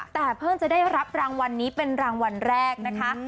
แต่เพิ่งจะได้รับรางวัลนี้เป็นรางวัลแรกนะคะ